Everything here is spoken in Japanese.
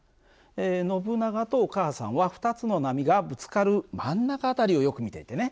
ノブナガとお母さんは２つの波がぶつかる真ん中辺りをよく見ていてね。